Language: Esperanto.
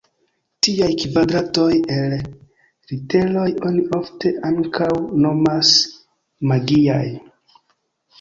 Tiaj kvadratoj el literoj oni ofte ankaŭ nomas magiaj.